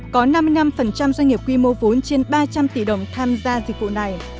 có năm mươi năm doanh nghiệp quy mô vốn trên ba trăm linh tỷ đồng tham gia dịch vụ này